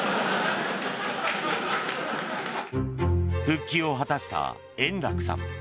復帰を果たした円楽さん。